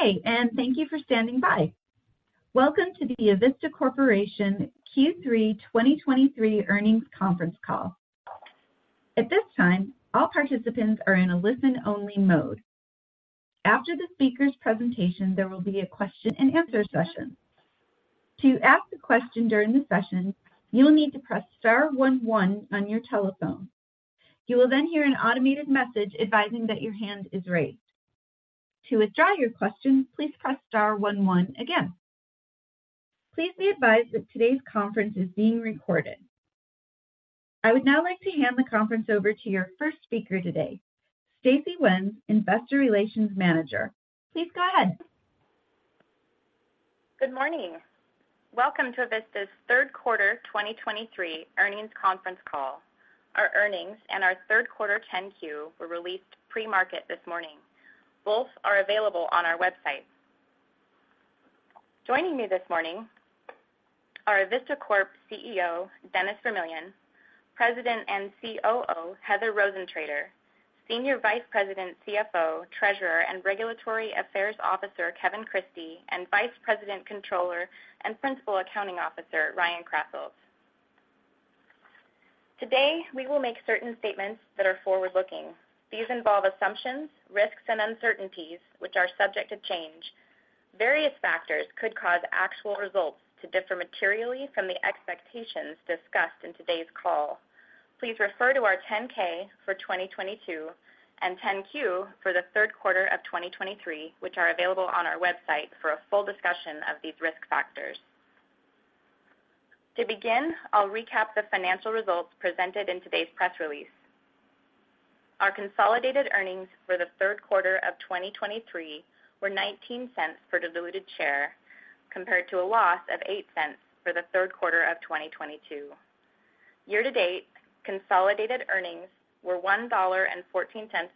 Good day, and thank you for standing by. Welcome to the Avista Corporation Q3 2023 Earnings Conference Call. At this time, all participants are in a listen only mode. After the speaker's presentation, there will be a question and answer session. To ask a question during the session, you'll need to press star one one on your telephone. You will then hear an automated message advising that your hand is raised. To withdraw your question, please press star one one again. Please be advised that today's conference is being recorded. I would now like to hand the conference over to your first speaker today, Stacey Wenz, Investor Relations Manager. Please go ahead. Good morning. Welcome to Avista's Q3 2023 earnings conference call. Our earnings and our Q3 10-Q were released pre-market this morning. Both are available on our website. Joining me this morning are Avista Corp. CEO, Dennis Vermillion, President and COO, Heather Rosentrater, Senior Vice President, CFO, Treasurer, and Regulatory Affairs Officer, Kevin Christie, and Vice President, Controller, and Principal Accounting Officer, Ryan Krasselt. Today, we will make certain statements that are forward-looking. These involve assumptions, risks, and uncertainties, which are subject to change. Various factors could cause actual results to differ materially from the expectations discussed in today's call. Please refer to our 10-K for 2022 and 10-Q for the Q3 of 2023, which are available on our website for a full discussion of these risk factors. To begin, I'll recap the financial results presented in today's press release. Our consolidated earnings for the Q3 of 2023 were $0.19 per diluted share, compared to a loss of $0.08 for the Q3 of 2022. Year-to-date, consolidated earnings were $1.14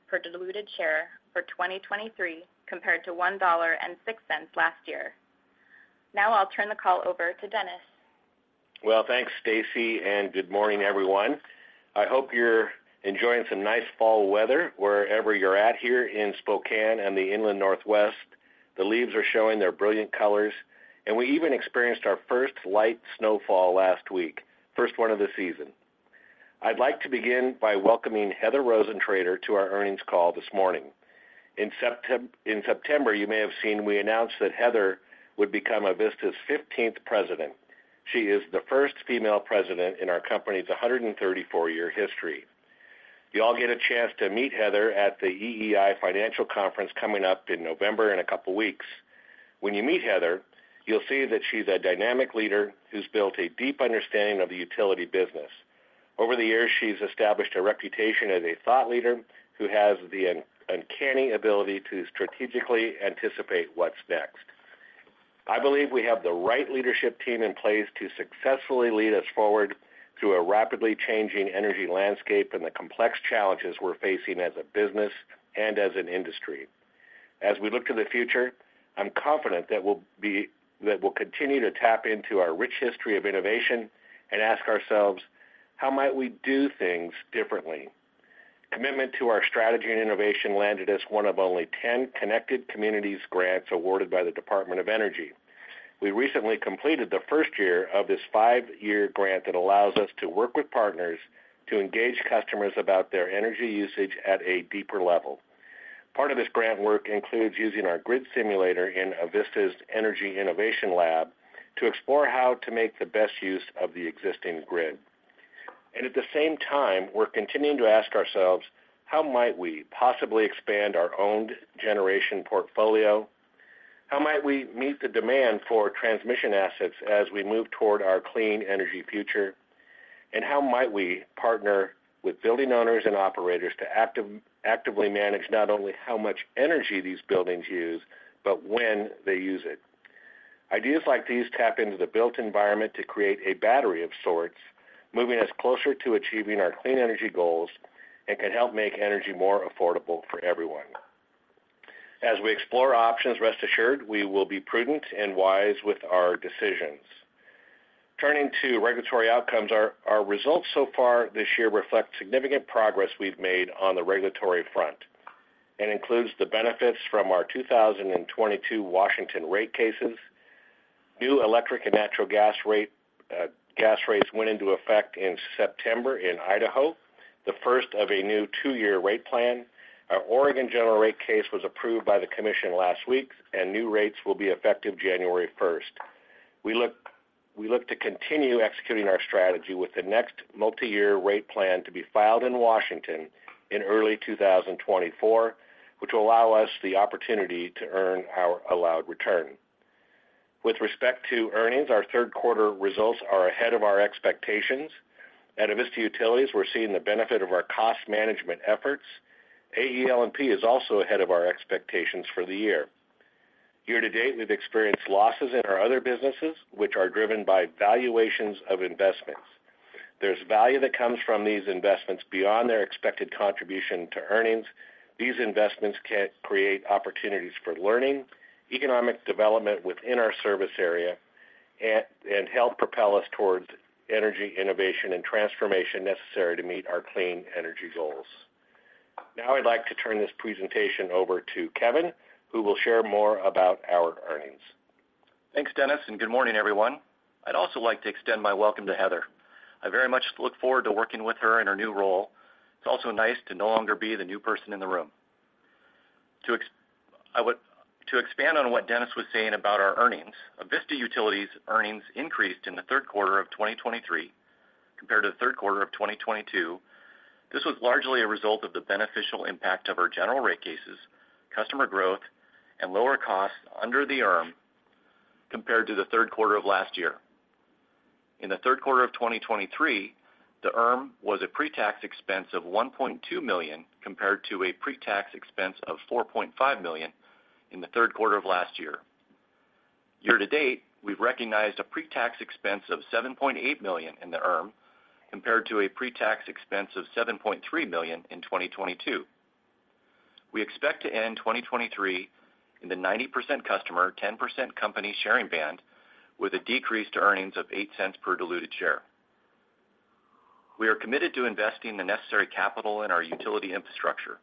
per diluted share for 2023, compared to $1.06 last year. Now I'll turn the call over to Dennis. Well, thanks, Stacey, and good morning, everyone. I hope you're enjoying some nice fall weather wherever you're at here in Spokane and the Inland Northwest. The leaves are showing their brilliant colors, and we even experienced our first light snowfall last week, first one of the season. I'd like to begin by welcoming Heather Rosentrater to our earnings call this morning. In September, you may have seen we announced that Heather would become Avista's fifteenth president. She is the first female president in our company's 134-year history. You all get a chance to meet Heather at the EEI Financial Conference coming up in November, in a couple weeks. When you meet Heather, you'll see that she's a dynamic leader who's built a deep understanding of the utility business. Over the years, she's established a reputation as a thought leader who has the uncanny ability to strategically anticipate what's next. I believe we have the right leadership team in place to successfully lead us forward through a rapidly changing energy landscape and the complex challenges we're facing as a business and as an industry. As we look to the future, I'm confident that we'll continue to tap into our rich history of innovation and ask ourselves, how might we do things differently? Commitment to our strategy and innovation landed us one of only 10 Connected Communities grants awarded by the Department of Energy. We recently completed the first year of this 5-year grant that allows us to work with partners to engage customers about their energy usage at a deeper level. Part of this grant work includes using our grid simulator in Avista's Energy Innovation Lab to explore how to make the best use of the existing grid. And at the same time, we're continuing to ask ourselves, how might we possibly expand our owned generation portfolio? How might we meet the demand for transmission assets as we move toward our clean energy future? And how might we partner with building owners and operators to actively manage not only how much energy these buildings use, but when they use it? Ideas like these tap into the built environment to create a battery of sorts, moving us closer to achieving our clean energy goals and can help make energy more affordable for everyone. As we explore options, rest assured, we will be prudent and wise with our decisions. Turning to regulatory outcomes, our results so far this year reflect significant progress we've made on the regulatory front and includes the benefits from our 2022 Washington rate cases. New electric and natural gas rates went into effect in September in Idaho, the first of a new two-year rate plan. Our Oregon General Rate Case was approved by the commission last week, and new rates will be effective January first. We look to continue executing our strategy with the next Multi-Year Rate Plan to be filed in Washington in early 2024, which will allow us the opportunity to earn our allowed return. With respect to earnings, our Q3 results are ahead of our expectations. At Avista Utilities, we're seeing the benefit of our cost management efforts. AEL&P is also ahead of our expectations for the year. Year-to-date, we've experienced losses in our other businesses, which are driven by valuations of investments. There's value that comes from these investments beyond their expected contribution to earnings. These investments can create opportunities for learning, economic development within our service area and help propel us towards energy innovation and transformation necessary to meet our clean energy goals. Now I'd like to turn this presentation over to Kevin, who will share more about our earnings. Thanks Dennis, and good morning, everyone. I'd also like to extend my welcome to Heather. I very much look forward to working with her in her new role. It's also nice to no longer be the new person in the room. To expand on what Dennis was saying about our earnings, Avista Utilities' earnings increased in the Q3 of 2023 compared to the Q3 of 2022. This was largely a result of the beneficial impact of our general rate cases, customer growth, and lower costs under the ERM compared to the Q3 of last year. In the Q3 of 2023, the ERM was a pre-tax expense of $1.2 million, compared to a pre-tax expense of $4.5 million in the Q3 of last year. Year to date, we've recognized a pre-tax expense of $7.8 million in the ERM, compared to a pre-tax expense of $7.3 million in 2022. We expect to end 2023 in the 90% customer, 10% company sharing band, with a decrease to earnings of $0.08 per diluted share. We are committed to investing the necessary capital in our utility infrastructure.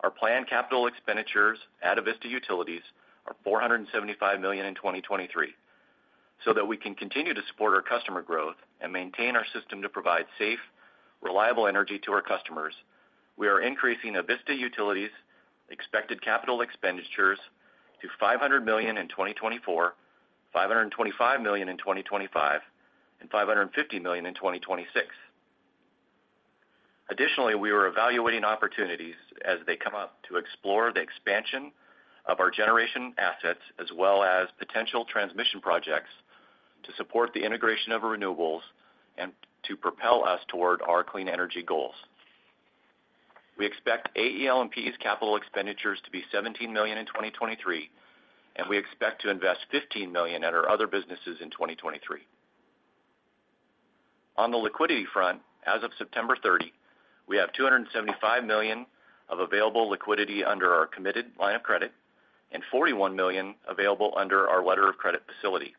Our planned capital expenditures at Avista Utilities are $475 million in 2023, so that we can continue to support our customer growth and maintain our system to provide safe, reliable energy to our customers. We are increasing Avista Utilities' expected capital expenditures to $500 million in 2024, $525 million in 2025, and $550 million in 2026. Additionally, we are evaluating opportunities as they come up to explore the expansion of our generation assets, as well as potential transmission projects, to support the integration of renewables and to propel us toward our clean energy goals. We expect AEL&P's capital expenditures to be $17 million in 2023, and we expect to invest $15 million at our other businesses in 2023. On the liquidity front, as of September 30, we have $275 million of available liquidity under our committed line of credit and $41 million available under our letter of credit facility.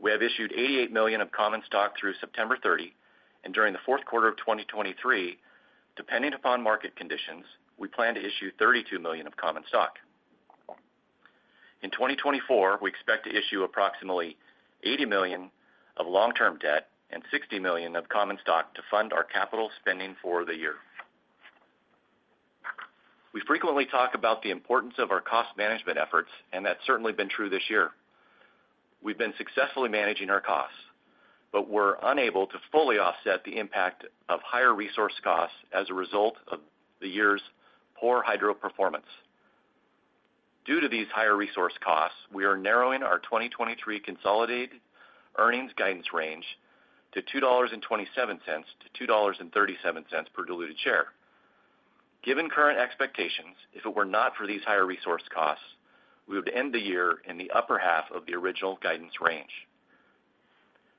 We have issued $88 million of common stock through September 30, and during the Q4 of 2023, depending upon market conditions, we plan to issue $32 million of common stock. In 2024, we expect to issue approximately $80 million of long-term debt and $60 million of common stock to fund our capital spending for the year. We frequently talk about the importance of our cost management efforts, and that's certainly been true this year. We've been successfully managing our costs, but we're unable to fully offset the impact of higher resource costs as a result of the year's poor hydro performance. Due to these higher resource costs, we are narrowing our 2023 consolidated earnings guidance range to $2.27-$2.37 per diluted share. Given current expectations, if it were not for these higher resource costs, we would end the year in the upper half of the original guidance range.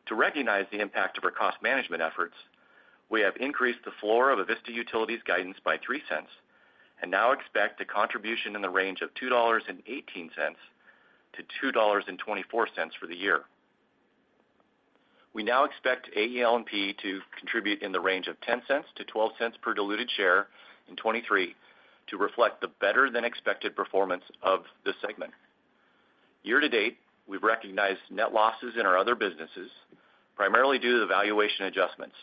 To recognize the impact of our cost management efforts, we have increased the floor of Avista Utilities' guidance by $0.03 and now expect a contribution in the range of $2.18-$2.24 for the year. We now expect AEL&P to contribute in the range of $0.10-$0.12 per diluted share in 2023 to reflect the better-than-expected performance of this segment. Year-to-date, we've recognized net losses in our other businesses, primarily due to the valuation adjustments.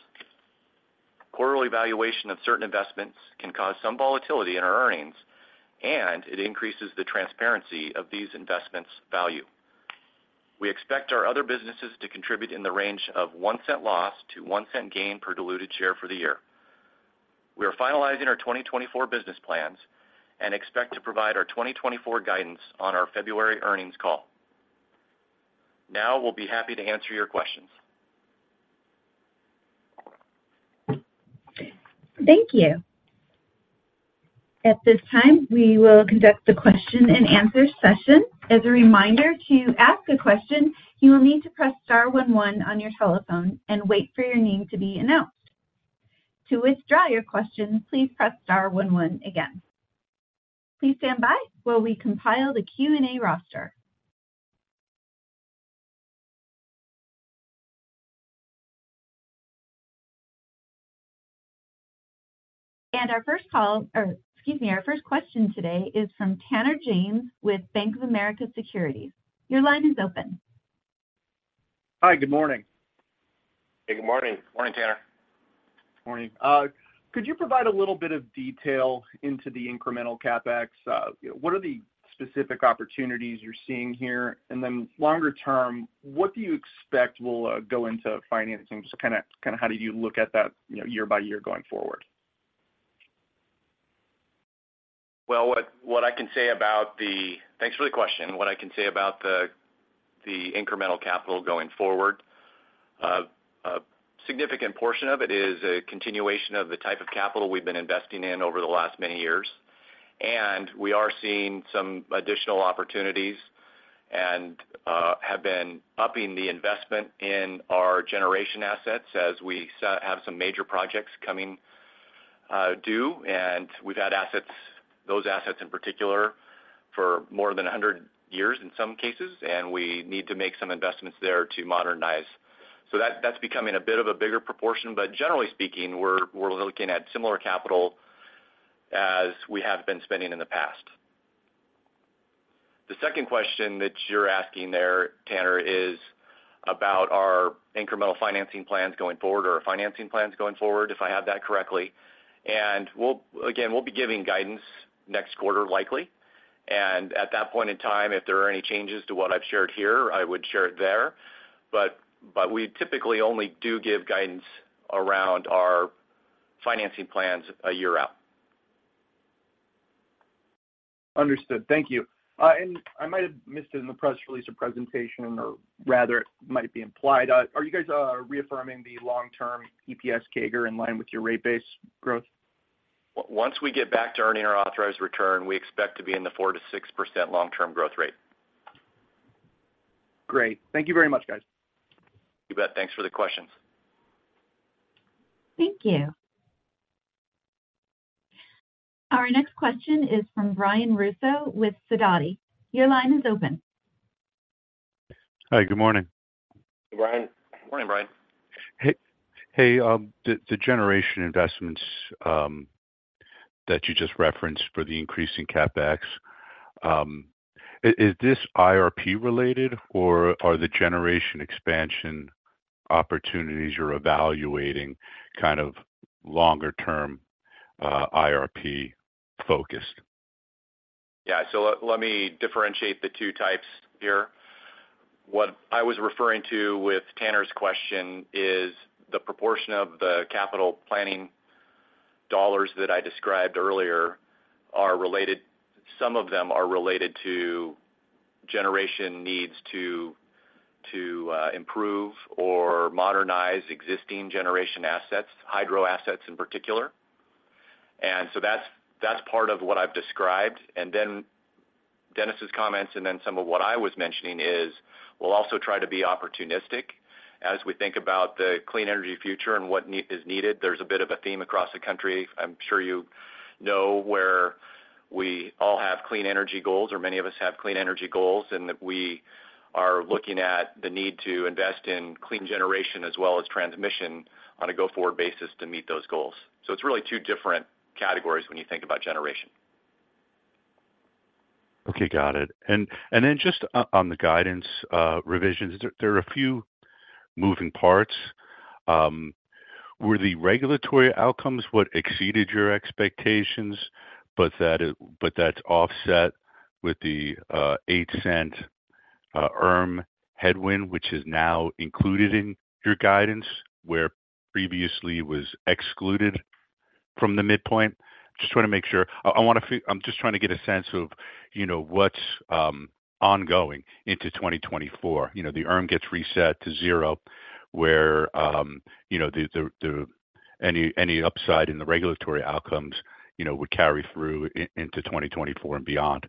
Quarterly valuation of certain investments can cause some volatility in our earnings, and it increases the transparency of these investments' value. We expect our other businesses to contribute in the range of $0.01 loss to $0.01 gain per diluted share for the year. We are finalizing our 2024 business plans and expect to provide our 2024 guidance on our February earnings call. Now, we'll be happy to answer your questions. Thank you. At this time, we will conduct the question and answer session. As a reminder, to ask a question, you will need to press star one one on your telephone and wait for your name to be announced. To withdraw your question, please press star one one again. Please stand by while we compile the Q&A roster. And our first call, or excuse me, our first question today is from Tanner James with Bank of America Securities. Your line is open. Hi, good morning. Good morning. Morning, Tanner. Morning. Could you provide a little bit of detail into the incremental CapEx? What are the specific opportunities you're seeing here? And then longer term, what do you expect will go into financing? Just kind of, kind of how do you look at that, you know, year by year going forward? Thanks for the question. What I can say about the incremental capital going forward, a significant portion of it is a continuation of the type of capital we've been investing in over the last many years. We are seeing some additional opportunities and have been upping the investment in our generation assets as we have some major projects coming due, and we've had assets, those assets in particular, for more than 100 years in some cases, and we need to make some investments there to modernize. So that's becoming a bit of a bigger proportion, but generally speaking, we're looking at similar capital as we have been spending in the past. The second question that you're asking there, Tanner, is about our incremental financing plans going forward or our financing plans going forward, if I have that correctly. We'll, again, we'll be giving guidance next quarter, likely. At that point in time, if there are any changes to what I've shared here, I would share it there. But, but we typically only do give guidance around our financing plans a year out. Understood. Thank you. I might have missed it in the press release or presentation, or rather it might be implied. Are you guys reaffirming the long-term EPS CAGR in line with your rate base growth? Once we get back to earning our authorized return, we expect to be in the 4%-6% long-term growth rate. Great. Thank you very much, guys. You bet. Thanks for the questions. Thank you. Our next question is from Brian Russo with Sidoti. Your line is open. Hi, good morning. Hey, Brian. Morning, Brian. Hey, hey, the generation investments that you just referenced for the increase in CapEx, is this IRP related, or are the generation expansion opportunities you're evaluating kind of longer-term, IRP-focused? Yeah, so let me differentiate the two types here. What I was referring to with Tanner's question is the proportion of the capital planning dollars that I described earlier are related, some of them are related to generation needs to improve or modernize existing generation assets, hydro assets in particular. And so that's part of what I've described. And then Dennis's comments, and then some of what I was mentioning is, we'll also try to be opportunistic as we think about the clean energy future and what is needed. There's a bit of a theme across the country, I'm sure you know, where we all have clean energy goals, or many of us have clean energy goals, and that we are looking at the need to invest in clean generation as well as transmission on a go-forward basis to meet those goals. It's really two different categories when you think about generation. Okay, got it. And, and then just on the guidance revisions, there are a few moving parts. Were the regulatory outcomes what exceeded your expectations, but that's offset with the $0.08 ERM headwind, which is now included in your guidance, where previously was excluded from the midpoint? Just want to make sure. I'm just trying to get a sense of, you know, what's ongoing into 2024. You know, the ERM gets reset to zero, where, you know, the any upside in the regulatory outcomes, you know, would carry through into 2024 and beyond.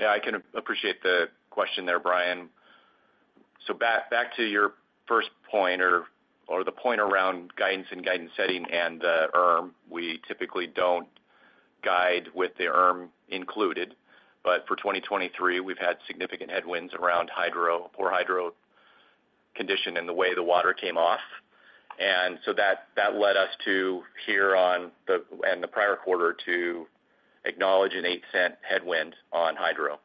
Yeah, I can appreciate the question there, Brian. So back, back to your first point or, or the point around guidance and guidance setting and the ERM, we typically don't guide with the ERM included, but for 2023, we've had significant headwinds around hydro, poor hydro condition and the way the water came off. And so that, that led us to here on the, and the prior quarter, to acknowledge a $0.08 headwind on hydro.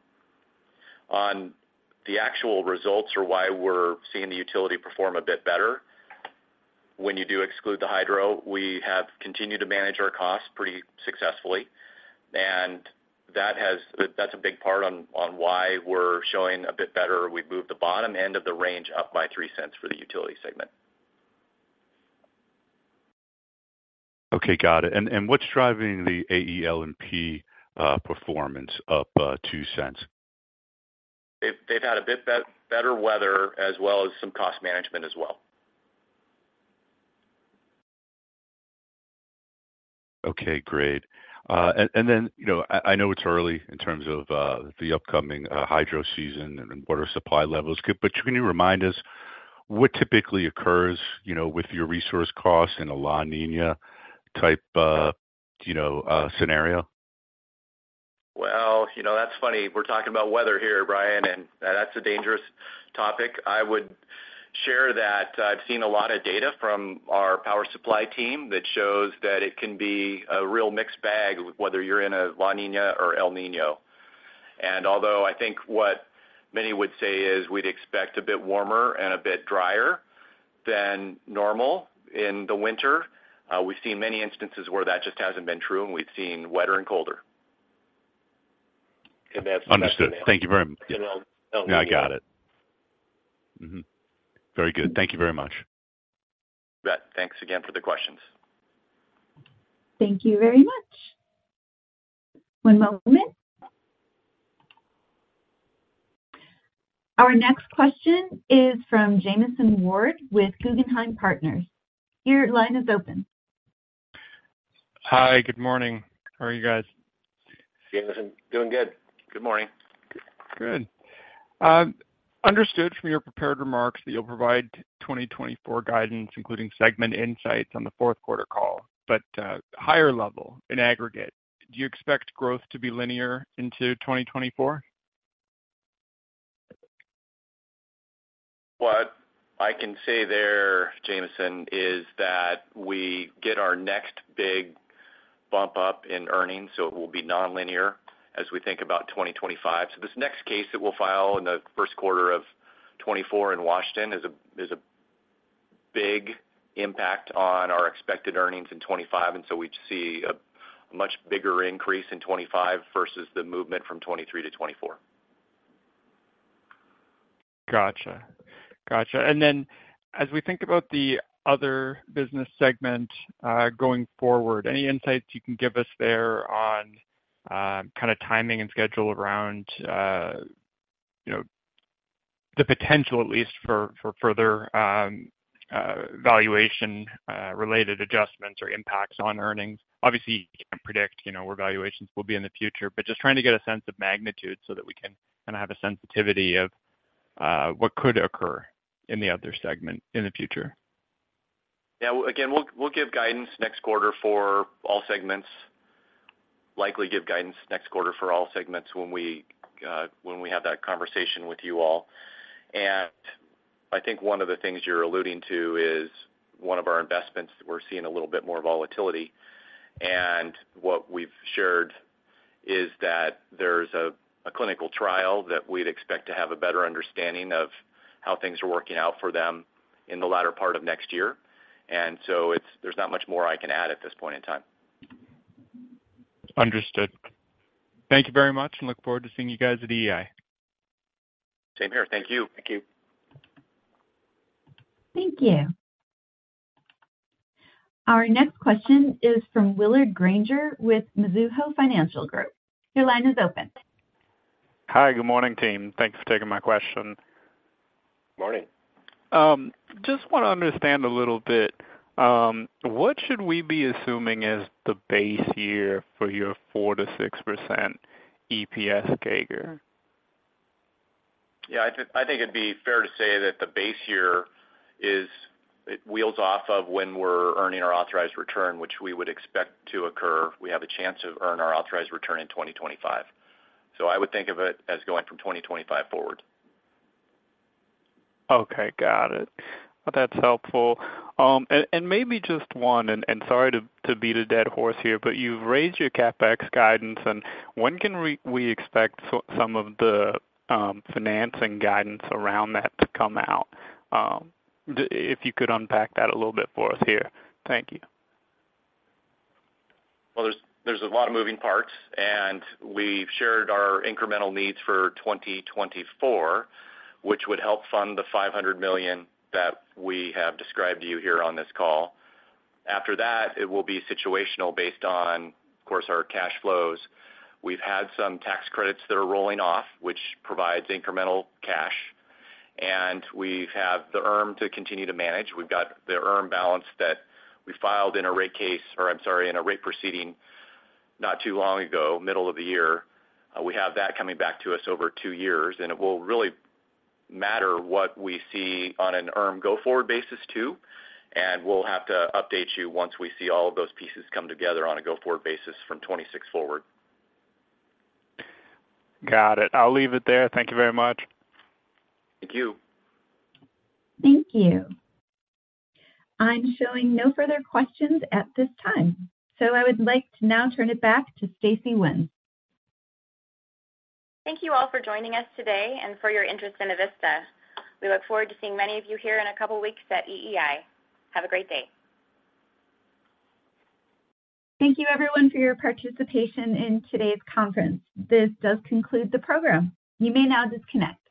On the actual results or why we're seeing the utility perform a bit better, when you do exclude the hydro, we have continued to manage our costs pretty successfully, and that has, that's a big part on, on why we're showing a bit better. We've moved the bottom end of the range up by $0.03 for the utility segment. Okay, got it. And what's driving the AEL&P performance up $0.02? They've had a bit better weather as well as some cost management as well. Okay, great. And then, you know, I know it's early in terms of the upcoming hydro season and water supply levels. But can you remind us what typically occurs, you know, with your resource costs in a La Niña type, you know, scenario? Well, you know, that's funny. We're talking about weather here, Brian, and that's a dangerous topic. I would share that I've seen a lot of data from our power supply team that shows that it can be a real mixed bag, whether you're in a La Niña or El Niño. And although I think what many would say is we'd expect a bit warmer and a bit drier than normal in the winter, we've seen many instances where that just hasn't been true, and we've seen wetter and colder. Understood. Thank you very much. No. I got it. Mm-hmm. Very good. Thank you very much. You bet. Thanks again for the questions. Thank you very much. One moment. Our next question is from Jamieson Ward with Guggenheim Partners. Your line is open. Hi, good morning. How are you guys? Jamieson, doing good. Good morning. Good. Understood from your prepared remarks that you'll provide 2024 guidance, including segment insights, on the Q4 call. But, higher level, in aggregate, do you expect growth to be linear into 2024? What I can say there, Jamieson, is that we get our next big bump up in earnings, so it will be nonlinear as we think about 2025. So this next case that we'll file in the Q1 of 2024 in Washington is a, is a big impact on our expected earnings in 2025, and so we'd see a, a much bigger increase in 2025 versus the movement from 2023 to 2024. Gotcha. Gotcha. And then, as we think about the other business segment, going forward, any insights you can give us there on, kind of timing and schedule around, you know, the potential at least for further, valuation related adjustments or impacts on earnings? Obviously, you can't predict, you know, where valuations will be in the future, but just trying to get a sense of magnitude so that we can kind of have a sensitivity of what could occur in the other segment in the future. Yeah. Well, again, we'll, we'll give guidance next quarter for all segments. Likely give guidance next quarter for all segments when we, when we have that conversation with you all. And I think one of the things you're alluding to is one of our investments, we're seeing a little bit more volatility. And what we've shared is that there's a, a clinical trial that we'd expect to have a better understanding of how things are working out for them in the latter part of next year. And so it's. There's not much more I can add at this point in time. Understood. Thank you very much, and look forward to seeing you guys at EEI. Same here. Thank you. Thank you. Thank you. Our next question is from Willard Grainger with Mizuho Financial Group. Your line is open. Hi. Good morning, team. Thanks for taking my question. Morning. Just want to understand a little bit, what should we be assuming is the base year for your 4%-6% EPS CAGR? Yeah, I think it'd be fair to say that the base year is, it wheels off of when we're earning our authorized return, which we would expect to occur. We have a chance to earn our authorized return in 2025. So I would think of it as going from 2025 forward. Okay, got it. Well, that's helpful. And maybe just one, and sorry to beat a dead horse here, but you've raised your CapEx guidance, and when can we expect some of the financing guidance around that to come out? If you could unpack that a little bit for us here. Thank you. Well, there's a lot of moving parts, and we've shared our incremental needs for 2024, which would help fund the $500 million that we have described to you here on this call. After that, it will be situational based on, of course, our cash flows. We've had some tax credits that are rolling off, which provides incremental cash, and we've had the ERM to continue to manage. We've got the ERM balance that we filed in a rate case, or I'm sorry, in a rate proceeding not too long ago, middle of the year. We have that coming back to us over two years, and it will really matter what we see on an ERM go-forward basis, too, and we'll have to update you once we see all of those pieces come together on a go-forward basis from 2026 forward. Got it. I'll leave it there. Thank you very much. Thank you. Thank you. I'm showing no further questions at this time, so I would like to now turn it back to Stacey Wenz. Thank you all for joining us today and for your interest in Avista. We look forward to seeing many of you here in a couple weeks at EEI. Have a great day. Thank you, everyone, for your participation in today's conference. This does conclude the program. You may now disconnect.